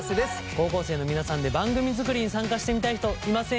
高校生の皆さんで番組作りに参加してみたい人いませんかね？